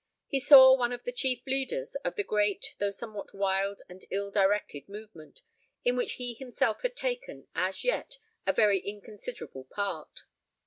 He saw one of the chief leaders of the great, though somewhat wild and ill directed movement, in which he himself had taken, as yet, a very inconsiderable part.